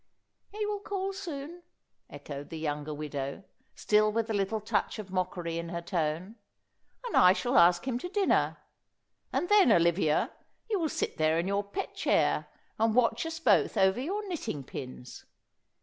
"He will call soon," echoed the younger widow, still with the little touch of mockery in her tone, "and I shall ask him to dinner. And then, Olivia, you will sit there in your pet chair and watch us both over your knitting pins.